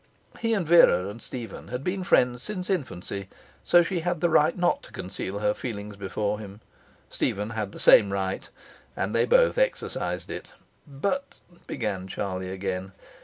He and Vera and Stephen had been friends since infancy, so she had the right not to conceal her feelings before him; Stephen had the same right. They both exercised it. 'But ' began Charlie again.